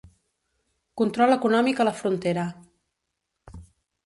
Control econòmic a la frontera.